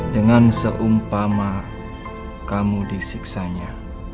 dengan seumpama kamu disiksanya